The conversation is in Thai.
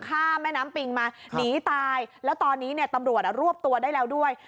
ข้ามแม่น้ำปิงมาหนีตายแล้วตอนนี้เนี่ยตำรวจรวบตัวได้แล้วด้วย